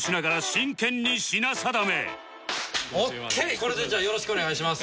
これでじゃあよろしくお願いします。